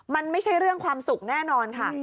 มันไม่ใช่เรื่องความสุขแน่นอนค่ะ